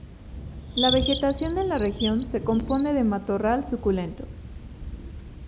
La vegetación en la región se compone de matorral suculento.